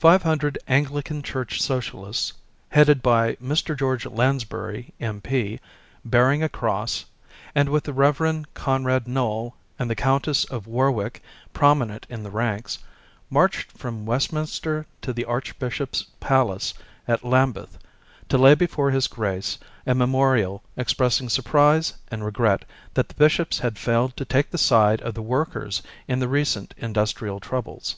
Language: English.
Five hundred Anglican church Social ists, headed by Mr. George Lansbury, M.P., bearing a cross, and with the Rev. Conrad Noel and the Countess of War wick prominent in the ranks, marched from Westminster to the Archbishop's palace at Lambeth, to lay before His Grace a memorial expressing surprise and regret that the bishops had failed to take the side of the workers in the recent industrial troubles.